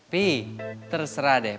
pi terserah deh